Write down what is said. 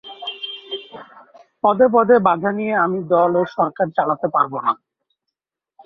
পদে পদে বাধা নিয়ে আমি দল ও সরকার চালাতে পারব না।